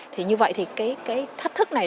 thì như vậy thì cái thách thức này